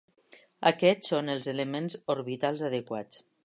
Aquests són els elements orbitals adequats.